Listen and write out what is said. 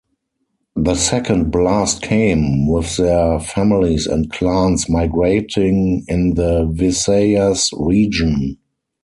The second blast came, with their families and clans migrating in the Visayas region.